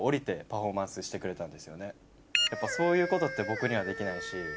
やっぱそういうことって僕にはできないし。